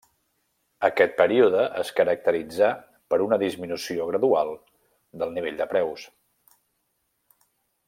Aquest període es caracteritzà per una disminució gradual del nivell de preus.